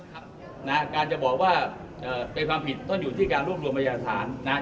การจะบอกว่าเป็นความผิดต้องอยู่ที่การรวบรวมพยาฐานนะครับ